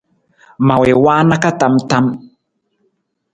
Ma wii waana ka tam tam.